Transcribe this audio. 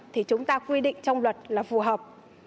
thì chúng ta quy định trong luật là phù hợp